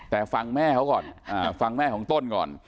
แต่คุณฟังแม่ของต้นก่อน